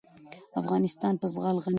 افغانستان په زغال غني دی.